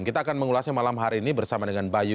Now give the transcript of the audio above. kita akan mengulasnya malam hari ini bersama dengan bayu